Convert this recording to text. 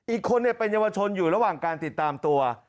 อีกคนเป็นเยาวชนอยู่ระหว่างการติดตามตัว